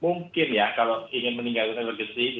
mungkin ya kalau ingin meninggalkan energi seri gitu bisa mengambil